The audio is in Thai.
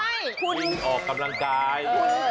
วิ่งออกกำลังกาย